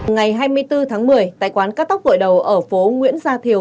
ngày hai mươi bốn tháng một mươi tại quán cát tóc vội đầu ở phố nguyễn gia thiều